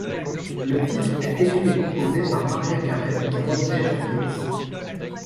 Le titre est écrit et composé par Mariah Carey et Rodney Jerkins.